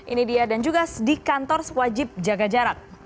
ini dia dan juga di kantor wajib jaga jarak